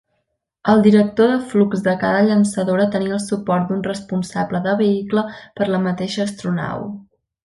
El director de flux de cada llançadora tenia el suport d'un responsable de vehicle per a la mateixa astronau.